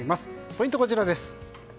ポイント、こちらです。